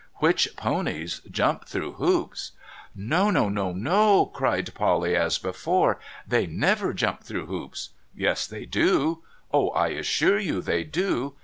Which ponies jump through hoops ' 446 MUGBY JUNCTION ' No, no, NO !' cried Polly as before. ' They never jump through hoops !'' Yes, they do. Oh, I assure you they do